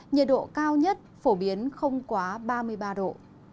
nhiệt độ cao nhất phổ biến không quá ba mươi ba độ